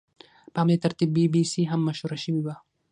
په همدې ترتیب بي بي سي هم مشهوره شوې وه.